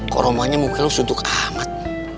kok rombohnya muka lo sudut amat